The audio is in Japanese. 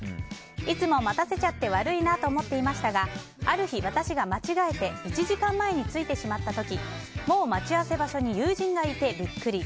いつも待たせちゃって悪いなと思っていましたがある日、私が間違えて１時間前についてしまった時もう待ち合わせ場所に友人がいてビックリ。